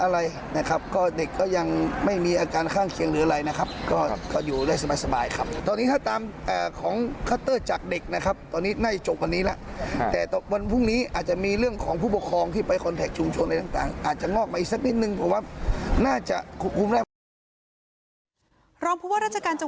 รองพูบว่าราชการจังหวัดเช่นเมีย